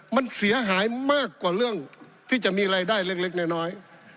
มันเสียหายมากกว่าเรื่องที่จะมีรายได้เล็กน้อย